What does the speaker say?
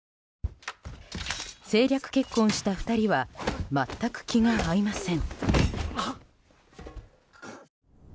政略結婚した２人は全く気が合いません。